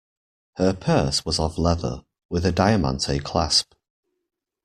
Her purse was of leather, with a diamante clasp.